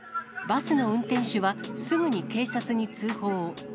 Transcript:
バスの運転手はすぐに警察に通報。